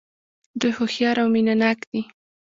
دوی هوښیار او مینه ناک دي.